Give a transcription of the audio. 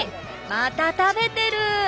また食べてる！